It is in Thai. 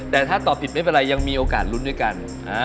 แต่ถ้าตอบผิดไม่เป็นไรยังมีโอกาสลุ้นด้วยกัน